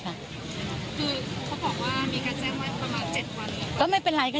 คือเขาบอกว่ามีการแจ้งวันประมาณ๗วันหรือเปล่า